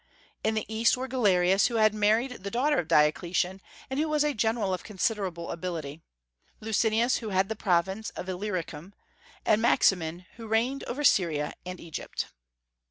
In the East were Galerius, who had married the daughter of Diocletian, and who was a general of considerable ability; Licinius, who had the province of Illyricum; and Maximin, who reigned over Syria and Egypt.